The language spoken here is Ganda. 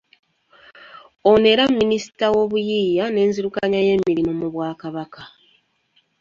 Ono era Minisita w'Obuyiiya n'Enzirukanya y'Emirimu mu Bwakabaka